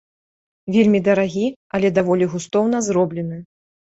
Вельмі дарагі, але даволі густоўна зроблены.